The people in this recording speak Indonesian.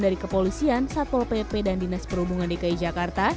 dari kepolisian satpol pp dan dinas perhubungan dki jakarta